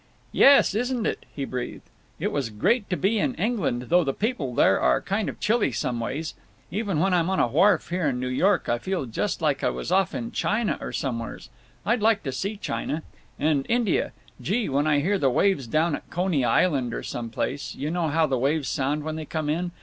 "Yes, isn't it!" he breathed. "It was great to be in England—though the people there are kind of chilly some ways. Even when I'm on a wharf here in New York I feel just like I was off in China or somewheres. I'd like to see China. And India…. Gee! when I hear the waves down at Coney Island or some place—you know how the waves sound when they come in.